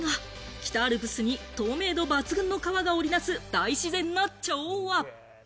北アルプスに透明度バツグンの川が織りなす大自然の調和。